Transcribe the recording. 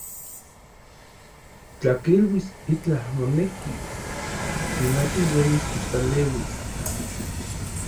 Tla kiluis itlaj moneki, kimati uelis kipaleuis.